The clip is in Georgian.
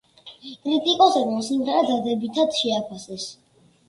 კრიტიკოსებმა სიმღერა დადებითად შეაფასეს.